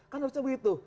kan harusnya begitu